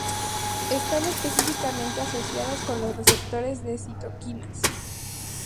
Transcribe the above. Están específicamente asociadas con los receptores de citoquinas.